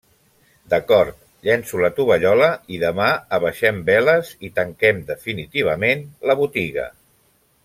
D'acord. Llenço la tovallola i demà abaixem veles i tanquem definitivament la botiga.